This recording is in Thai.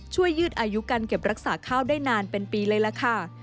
ยืดอายุการเก็บรักษาข้าวได้นานเป็นปีเลยล่ะค่ะ